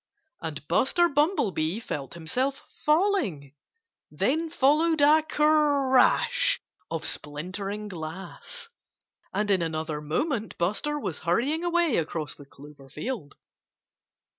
And Buster Bumblebee felt himself falling. Then followed a crash of splintering glass. And in another moment Buster was hurrying away across the clover field.